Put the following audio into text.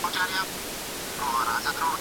ایا ته به ما له دغه بېامیده برخلیک څخه وباسې؟